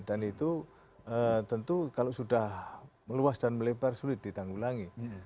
dan itu tentu kalau sudah meluas dan melebar sulit ditanggulangi